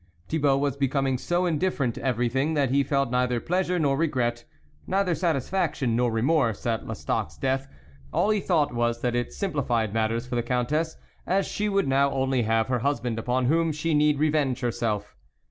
Thibault was becoming so indifferent to everything that he felt neither pleasure nor regret, neither satisfaction nor remorse, at Lestocq's death ; all he thought was, that it simplified matters for the Countess, as she would now only have her husband upon whom she need revenge herself.